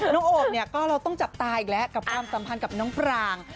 โอบเนี่ยก็เราต้องจับตาอีกแล้วกับความสัมพันธ์กับน้องปราง